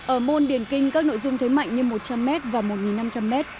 ở môn điển kinh các nội dung thế mạnh như một trăm linh m và một năm trăm linh m